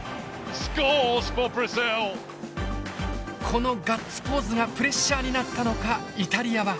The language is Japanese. このガッツポーズがプレッシャーになったのかイタリアは。